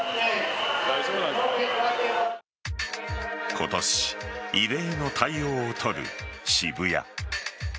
今年、異例の対応を取る渋谷。